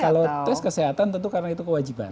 kalau tes kesehatan tentu karena itu kewajiban